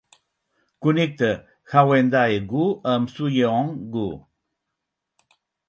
Connecta Haeundae-gu amb Suyeong-gu.